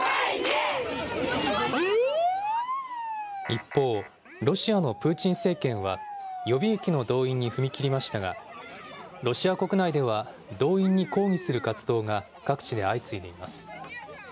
一方、ロシアのプーチン政権は予備役の動員に踏み切りましたが、ロシア国内では動員に抗議する活動が各地で相次いでいます。